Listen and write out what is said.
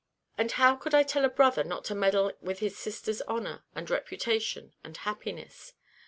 "And how could I tell a brother not to meddle with his sister's honour, and reputation, and happiness?